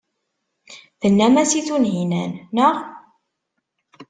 Tennam-as i Tunhinan, naɣ?